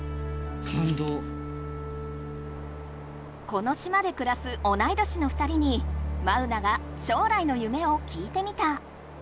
この島でくらす同い年の２人にマウナが将来の夢を聞いてみた。